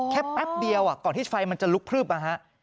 อ๋อแค่แป๊บเดียวอ่ะก่อนที่ไฟมันจะลุกพลึบมาฮะ